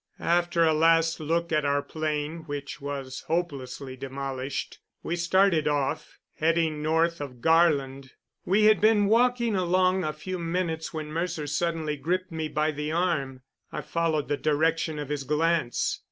After a last look at our plane, which was hopelessly demolished, we started off, heading north of Garland. We had been walking along a few minutes when Mercer suddenly gripped me by the arm. I followed the direction of his glance.